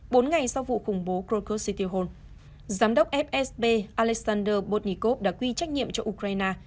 bốn ngày sau vụ khủng bố krokus sitihol giám đốc fsb alexander botnikov đã quy trách nhiệm cho ukraine